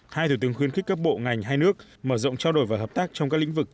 hai thủ tướng khuyên khích các bộ ngành hai nước mở rộng trao đổi và hợp tác trong các lĩnh vực